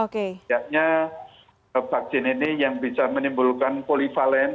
sejauh ini vaksin ini yang bisa menimbulkan polivalen